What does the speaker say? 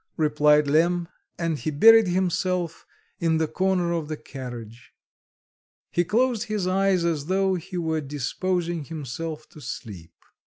replied Lemm, and he buried himself in the corner of the carriage. He closed his eyes as though he were disposing himself to sleep.